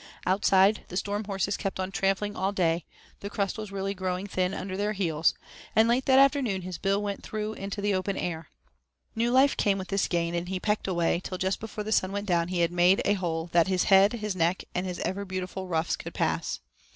Outside, the storm horses kept on trampling all day, the crust was really growing thin under their heels, and late that afternoon his bill went through into the open air. New life came with this gain, and he pecked away, till just before the sun went down he had made a hole that his head, his neck, and his ever beautiful ruffs could pass.